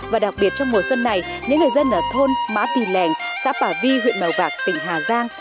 và đặc biệt trong mùa xuân này những người dân ở thôn mã tì lèn xã bà vi huyện mèo vạc tỉnh hà giang